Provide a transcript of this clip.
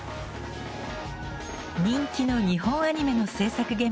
人気の日本アニメの制作現場。